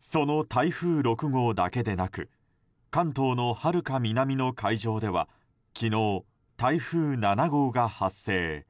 その台風６号だけでなく関東のはるか南の海上では昨日、台風７号が発生。